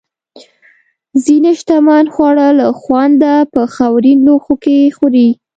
ځینې شتمن خواړه له خونده په خاورین لوښو کې خوري.